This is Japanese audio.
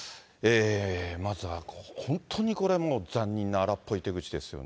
まずは本当にこれ、もう残忍な、荒っぽい手口ですよね。